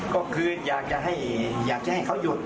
ก็คืออยากจะให้เหยียบเขาหยุด